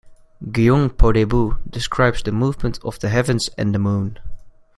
"Gyeongpodaebu" describes the movement of the heavens and the moon.